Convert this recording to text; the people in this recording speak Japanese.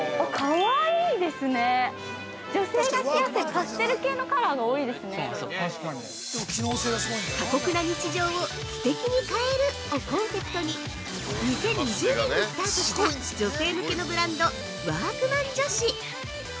「カコクな日常をステキに変える」をコンセプトに２０２０年にスタートした女性向けのブランド「＃ワークマン女子」。